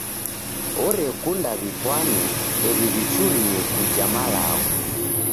Orekunda w'ipwane eri w'ichurie kuja malagho.